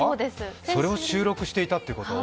それを収録していたっていうこと？